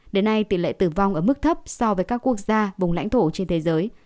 đến nay tỷ lệ tử vong ở mức thấp so với các quốc gia vùng lãnh thổ trên thế giới